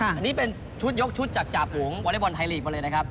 อันนี้เป็นชุดยกชุดจากจ่าฝูงวอเล็กบอลไทยลีกมาเลยนะครับ